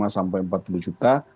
sampai empat puluh juta